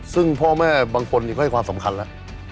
ซึ่งพ่อแม่บางคนก็ให้ความสำคัญแล้ว